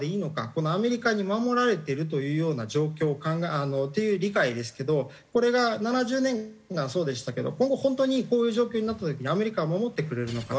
このアメリカに守られてるというような状況っていう理解ですけどこれが７０年間そうでしたけど今後本当にこういう状況になった時にアメリカは守ってくれるのか。